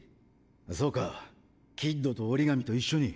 そうかキッドと折紙と一緒に。